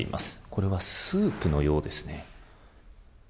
これはスープのようですね。